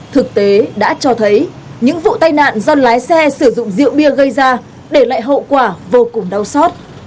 thực tế đã cho thấy những vụ tai nạn do lái xe sử dụng rượu bia gây ra để lại hậu quả vô cùng đau xót